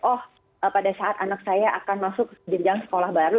oh pada saat anak saya akan masuk ke jenjang sekolah baru